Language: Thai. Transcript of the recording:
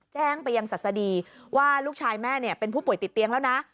แจ้งไปยังศัษฎีว่าลูกชายแม่เป็นผู้ป่วยติดเตียงแล้วนะ